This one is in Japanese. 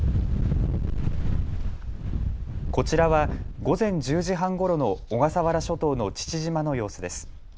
こちらは午前１０時半ごろの小笠原諸島の父島の様子です。